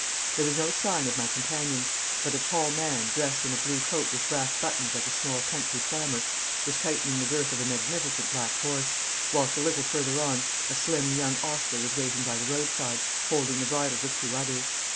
There was no sign of my companions, but a tall man, dressed in a blue coat with brass buttons like a small country farmer, was tightening the girth of a magnificent black horse, whilst a little further on a slim young ostler was waiting by the roadside, holding the bridles of two others.